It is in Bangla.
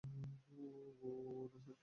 গু-- গু-- গুণা, স্যার।